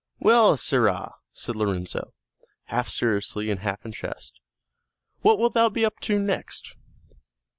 "Well, sirrah," said Lorenzo, half seriously, half in jest, "what wilt thou be up to next?"